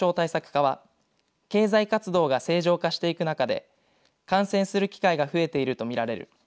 課は経済活動が正常化していく中で感染する機会が増えていると見られる。